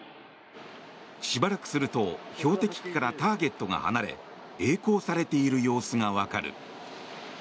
しばらくすると標的機からターゲットが離れえい航されている様子がわかる。